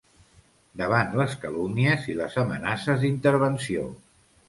Davant les calumnies i les amenaces d’intervenció.